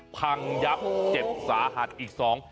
พังยับเจ็บสาหัสอีกสอง